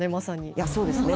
いやそうですね。